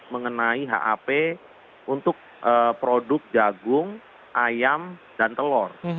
mengenai hap untuk produk jagung ayam dan telur